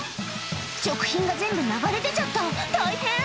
食品が全部流れ出ちゃった、大変！